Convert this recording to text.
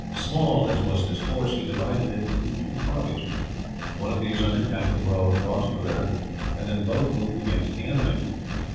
Small as was this force, he divided it into two parties. One of these, under Captain Rowe, crossed the river; and then both moved against the enemy.